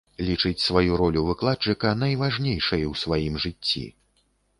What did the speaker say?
Лічыць сваю ролю выкладчыка найважнейшай у сваім жыцці.